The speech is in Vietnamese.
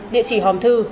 địa chỉ hòm thư